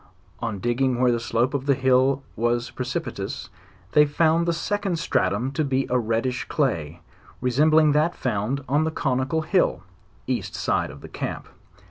On digging where the slope of the hill was precipitous, they found the second stratum to be a reddish day, resembling that found on the conical hill, east side of the camp.